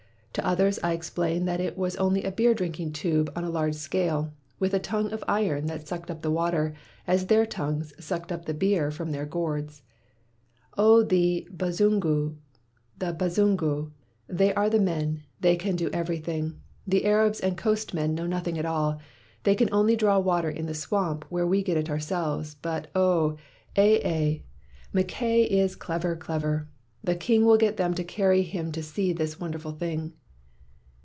To others I explained that it was only a beer drinking tube on a large scale, with a tongue of iron that sucked up the water, as their tongues sucked up the beer from their gourds. "Oh, the Bazungu, the Bazungu! they are the men ; they can do everything ; the Arabs and coast men know nothing at all ; they can only draw water in the swamp where we get it ourselves; but, oh, eh, eh, Mackay is 177 WHITE MAN OF WORK clever, clever; the king will get them to cany him to see this wonderful thing."